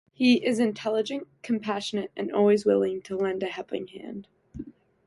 He is intelligent, compassionate, and always willing to lend a helping hand.